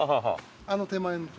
あの手前の所。